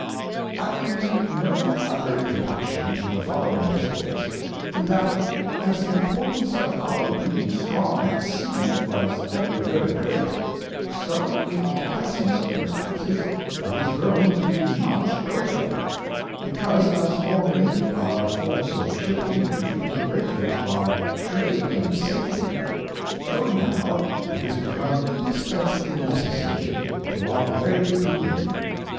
I Will make no other Introduction to the following Discourse, than that as the Importance of our being strong at Sea, was ever very great, so in our present Circumstances it is grown to be much greater ; because, as formerly our Force of Shipping contributed greatly to our Trade and Safety, so now it is become indispensibly necessary to our very Being.